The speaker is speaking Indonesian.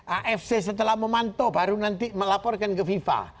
afc setelah memantau baru nanti melaporkan ke fifa